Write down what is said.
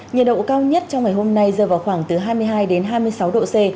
nhiệt độ cao nhất trong ngày hôm nay rơi vào khoảng từ hai mươi hai đến hai mươi sáu độ c